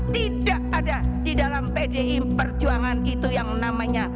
tidak ada di dalam pdi perjuangan itu yang namanya